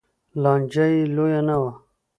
لانجه یې لویه نه وه